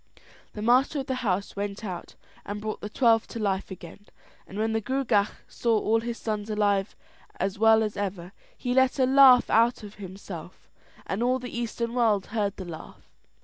The master of the house went out and brought the twelve to life again; and when the Gruagach saw all his sons alive and as well as ever, he let a laugh out of himself, and all the Eastern world heard the laugh.